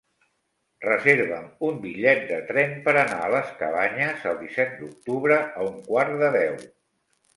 Reserva'm un bitllet de tren per anar a les Cabanyes el disset d'octubre a un quart de deu.